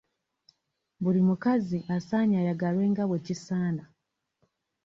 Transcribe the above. Buli mukazi asaanye ayagalwe nga bwe kisaana.